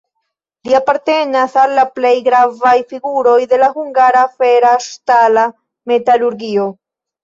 Li apartenas al la plej gravaj figuroj de la hungara fera-ŝtala metalurgio.